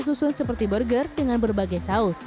susun seperti burger dengan berbagai saus